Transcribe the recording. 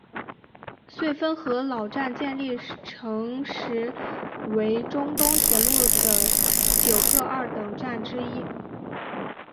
绥芬河老站建立成时为中东铁路的九个二等站之一。